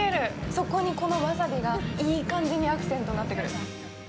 そこにこのわさびがいい感じのアクセントになってくる。